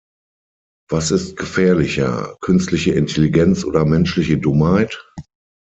Was ist gefährlicher: Künstliche Intelligenz oder menschliche Dummheit?